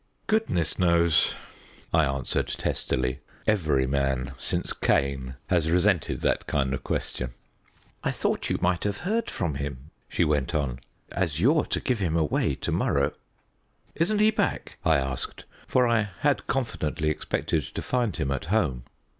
"Goodness knows," I answered testily. Every man, since Cain, has resented that kind of question. "I thought you might have heard from him," she went on, "as you're to give him away to morrow." "Isn't he back?" I asked, for I had confidently expected to find him at home.